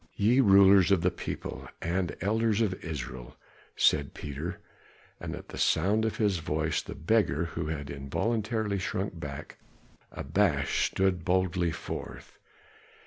"Ye rulers of the people, and elders of Israel," said Peter, and at the sound of his voice the beggar who had involuntarily shrunken back abashed stood boldly forth.